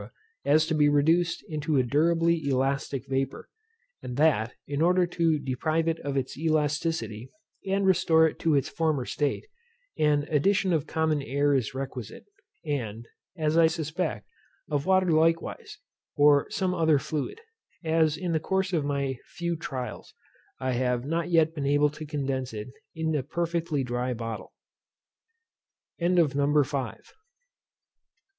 as to be reduced into a durably elastic vapour: and that, in order to deprive it of its elasticity, and restore it to its former state, an addition of common air is requisite, and, as I suspect, of water likewise, or some other fluid: as in the course of my few trials, I have not yet been able to condense it in a perfectly dry bottle. NUMBER VI.